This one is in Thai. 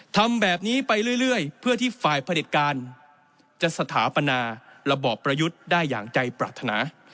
ทำแบบนี้ไปเรื่อยเพื่อที่ฝ่ายผลิตการจะสถาปนาระบอบประยุทธ์ได้อย่างใจปรารถนา